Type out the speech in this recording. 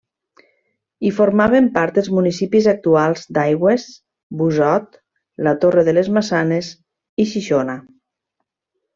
Hi formaven part els municipis actuals d'Aigües, Busot, La Torre de les Maçanes, i Xixona.